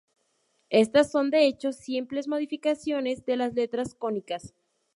Estas son, de hecho, simples modificaciones de las letras canónicas.